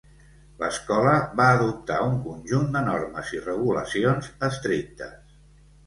L'escola va adoptar un conjunt de normes i regulacions estrictes.